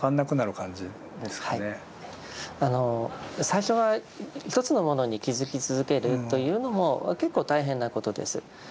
最初は一つのものに気づき続けるというのも結構大変なことです。